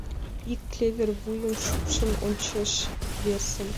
Ик клевер вуйым шупшын ончыш, весым.